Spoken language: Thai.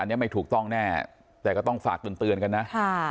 อันนี้ไม่ถูกต้องแน่แต่ก็ต้องฝากเตือนกันนะ